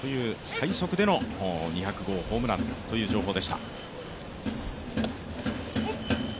最速での２００号ホームランという情報でした。